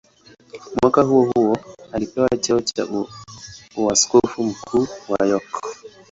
Mwaka huohuo alipewa cheo cha askofu mkuu wa York.